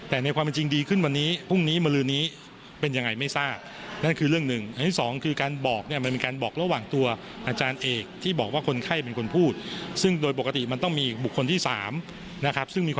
อาการวิทยาศาสตร์สอบพวกนี้มันไม่มี